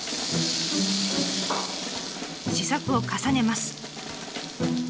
試作を重ねます。